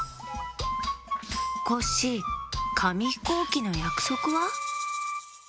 コッシーかみひこうきのやくそくは？